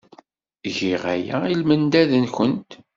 Giɣ aya i lmendad-nwent.